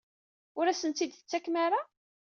Ur asent-tt-id-tettakem ara?